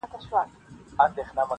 لکه راغلی چي له خیبر یې-